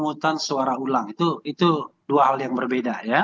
pemutusan suara ulang itu dua hal yang berbeda ya